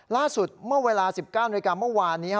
ล่าสุดเมื่อเวลาสิบเก้าตอบนโยยกราฬเมื่อวานนี้ฮะ